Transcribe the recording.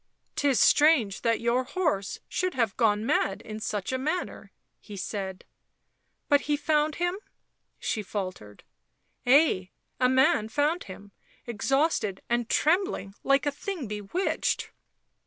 " 'Tis strange that your horse should have gone mad in such a manner," he said. " But he found him 1 ?" she faltered. " Ay, a man found him, exhausted and trembling like a thing bewitched."